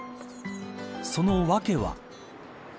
その訳は。